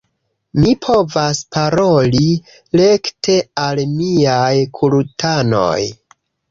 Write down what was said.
Mi povas paroli rekte al miaj kultanoj